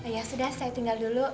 ya sudah saya tinggal dulu